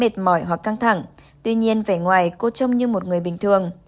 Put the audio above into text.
mệt mỏi hoặc căng thẳng tuy nhiên vẻ ngoài cô trông như một người bình thường